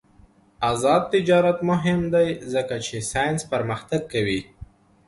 آزاد تجارت مهم دی ځکه چې ساینس پرمختګ کوي.